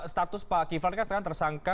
status pak kiflan kan sekarang tersangka